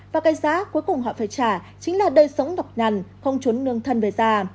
và cái giá cuối cùng họ phải trả chính là đời sống nọc nhằn không trốn nương thân về già